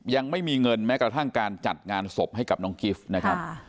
ยังไม่มีเงินแม้กระทั่งการจัดงานศพให้กับน้องกิฟต์นะครับ